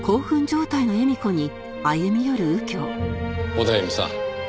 オダエミさん